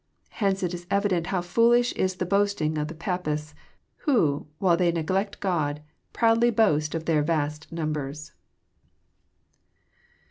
H esce it is eyident how foolish is the boasting of the Papists, who, while they neglect God, proudly boast of their vast numbers.